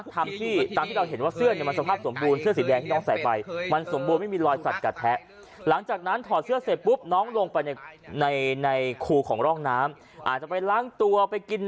ทำที่ตามที่เราเห็นว่าเสื้อเนี่ยมันสภาพสมบูรณ์เสื้อสีแดงที่น้องใส่ไป